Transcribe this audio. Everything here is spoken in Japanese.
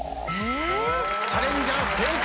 チャレンジャー正解。